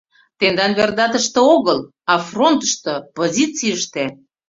Тендан верда тыште огыл, а фронтышто, позицийыште.